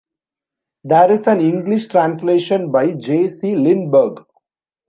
There is an English translation by J. C. Lindberg.